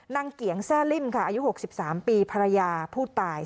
เกียงแซ่ลิ่มค่ะอายุ๖๓ปีภรรยาผู้ตาย